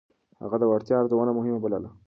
هغه د وړتيا ارزونه مهمه بلله.